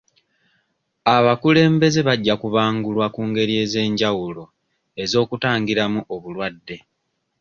Abakulembeze bajja kubangulwa ku ngeri ez'enjawulo ez'okutangiramu obulwadde